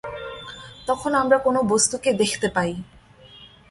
তখন আমরা কোন বস্তুকে দেখতে পাই।